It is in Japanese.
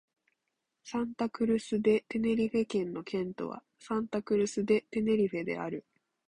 サンタ・クルス・デ・テネリフェ県の県都はサンタ・クルス・デ・テネリフェである